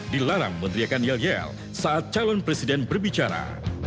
dilarang meneriakan yel yel saat calon presiden berbicara